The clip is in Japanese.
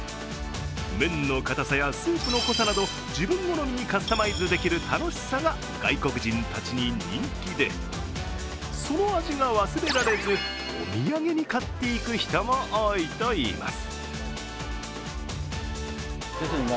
麺の硬さやスープの濃さなど自分好みにカスタマイズできる楽しさが外国人たちに人気で、その味が忘れられずお土産に買っていく人も多いといいます。